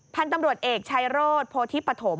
ท่านตำรวจเอกชัยโรธโพธิปฐม